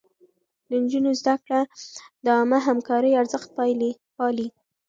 د نجونو زده کړه د عامه همکارۍ ارزښت پالي.